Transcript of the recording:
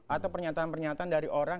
atau pernyataan pernyataan dari orang